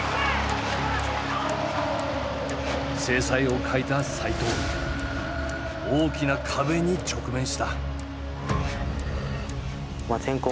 精彩を欠いた齋藤大きな壁に直面した。